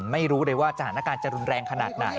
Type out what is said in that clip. ไม่รู้เลยว่าสถานการณ์จะรุนแรงขนาดไหน